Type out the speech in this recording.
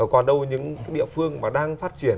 còn đâu những địa phương mà đang phát triển